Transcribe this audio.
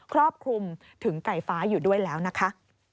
ครอบคลุมถึงไก่ฟ้าอยู่ด้วยแล้วนะคะ